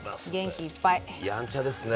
やんちゃですね。